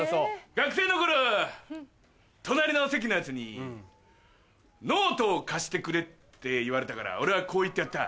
学生の頃隣の席のヤツにノートを貸してくれって言われたから俺はこう言ってやった。